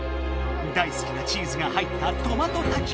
大すきなチーズが入ったトマトたきこみ